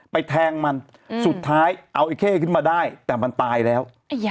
แทงมันสุดท้ายเอาไอ้เข้ขึ้นมาได้แต่มันตายแล้ว